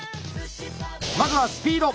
まずはスピード。